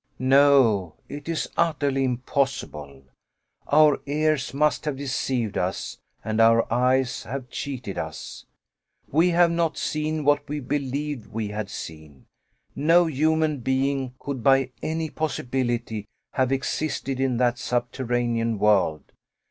No, it is utterly impossible! Our ears must have deceived us, and our eyes have cheated us! we have not seen what we believed we had seen. No human being could by any possibility have existed in that subterranean world!